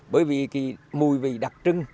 bởi vì mùi vị đặc trưng